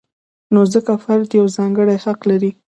نو ځکه فرد یو ځانګړی حق لري.